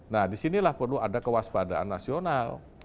nah disinilah perlu ada kewaspadaan nasional